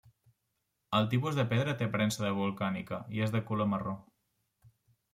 El tipus de pedra té aparença de volcànica i és de color marró.